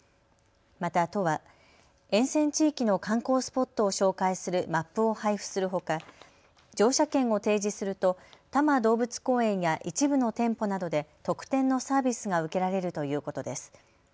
また都は沿線地域の観光スポットを紹介するマップを配布するほか乗車券を提示すると多摩動物公園や一部の店舗などで特典のサービスが受けられるということです。